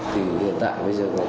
thì hiện tại bây giờ